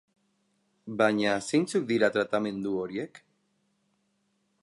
Baina zeintzuk dira tratamendu horiek?